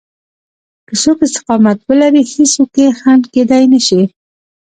که څوک استقامت ولري هېڅوک يې خنډ کېدای نشي.